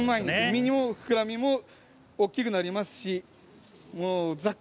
実の膨らみも大きくなりますし。